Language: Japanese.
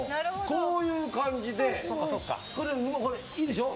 こういう感じでいいでしょ。